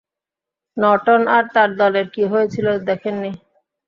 Norton আর তার দলের কী হয়েছিল দেখেননি?